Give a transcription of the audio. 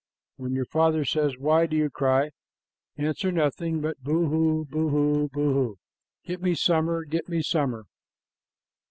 When your father says, 'Why do you cry?' answer nothing but 'Boo hoo, boo hoo, boo hoo! Get me summer, get me summer!'"